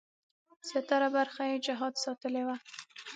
زیاتره برخه یې جهاد ساتلې وه.